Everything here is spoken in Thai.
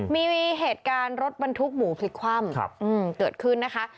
มีเหตุการณ์รถบรรทุกหมูพลิกคว่ำเกิดขึ้นนะคะ